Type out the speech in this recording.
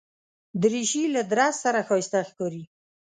دریشي له درز سره ښایسته ښکاري.